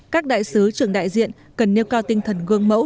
các đại sứ trưởng đại diện cần nêu cao tinh thần gương mẫu